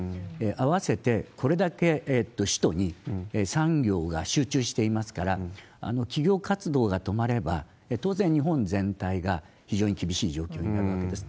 合わせて、これだけ首都に産業が集中していますから、企業活動が止まれば、当然、日本全体が非常に厳しい状況になるわけです。